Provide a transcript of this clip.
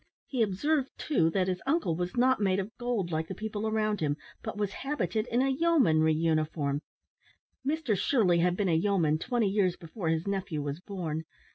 He observed, too, that his uncle was not made of gold, like the people around him, but was habited in a yeomanry uniform. Mr Shirley had been a yeoman twenty years before his nephew was born.